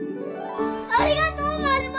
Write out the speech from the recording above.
ありがとうマルモ。